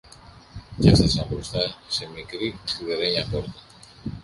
κι έφθασαν μπροστά σε μικρή σιδερένια πόρτα.